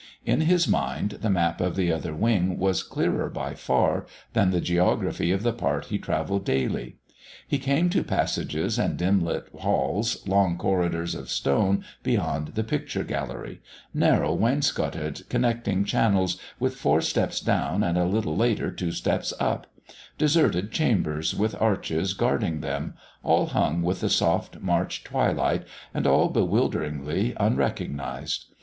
In his mind the map of the Other Wing was clearer by far than the geography of the part he travelled daily. He came to passages and dim lit halls, long corridors of stone beyond the Picture Gallery; narrow, wainscoted connecting channels with four steps down and a little later two steps up; deserted chambers with arches guarding them all hung with the soft March twilight and all bewilderingly unrecognised.